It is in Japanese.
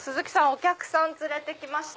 お客さん連れてきました。